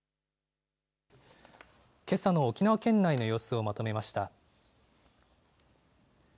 けさの沖縄県内の様子をまとめました。